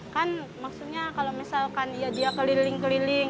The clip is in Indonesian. kan maksudnya kalau misalkan ya dia keliling keliling